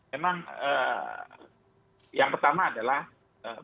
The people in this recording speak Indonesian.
memang yang pertama adalah